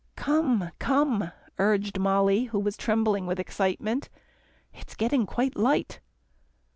"Come, come," urged Mollie who was trembling with excitement. "It's getting quite light."